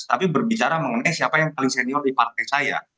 tapi berbicara mengenai siapa yang paling senior di partai saya